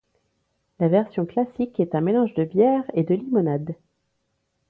La version classique est un mélange de bière et de limonade.